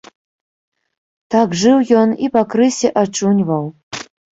Так жыў ён і пакрысе ачуньваў.